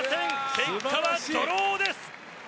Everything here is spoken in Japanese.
結果はドローです！